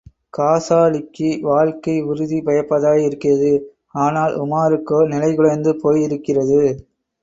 காசாலிக்கு வாழ்க்கை உறுதி பயப்பதாயிருக்கிறது ஆனால் உமாருக்கோ நிலைகுலைந்து போயிருக்கிறது.